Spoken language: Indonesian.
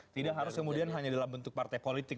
tidak harus kemudian hanya dalam bentuk partai politik